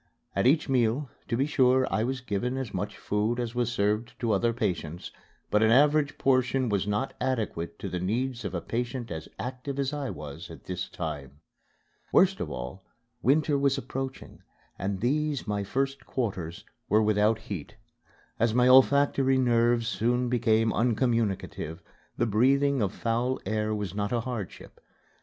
At each meal, to be sure, I was given as much food as was served to other patients, but an average portion was not adequate to the needs of a patient as active as I was at this time. Worst of all, winter was approaching and these, my first quarters, were without heat. As my olfactory nerves soon became uncommunicative, the breathing of foul air was not a hardship.